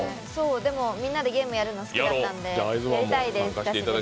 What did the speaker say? でも、みんなでゲームやるの好きだったのでやりたいです。